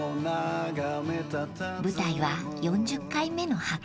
［舞台は４０回目の箱根］